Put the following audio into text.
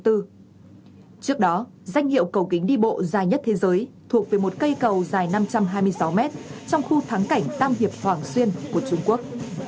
trước đó danh hiệu cầu kính đi bộ dài nhất thế giới thuộc về một cây cầu dài năm trăm hai mươi sáu mét trong khu thắng cảnh tam hiệp hoàng xuyên của trung quốc